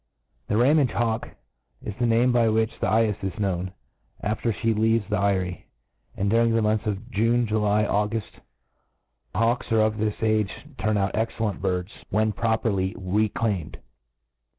The Ramage hawk is the name by which the cyefe is known, after flie leaves the eyrie j and, during the months of June, July, and Auguft, hawks of this age turn out excellent birds, when properly reclaimed.